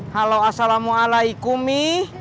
halo assalamualaikum mi